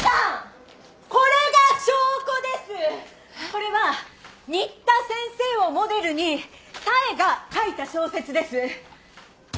これは新田先生をモデルに冴が書いた小説です。